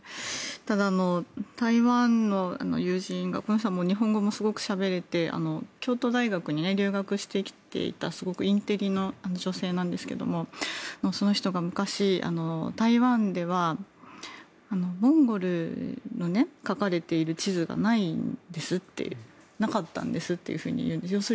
ただ、台湾の友人がこの人はすごく日本語をしゃべれて京都大学に留学してきていたすごくインテリの女性なんですがその人が昔、台湾ではモンゴルの書かれている地図がないんですっていうなかったんですって言うんです。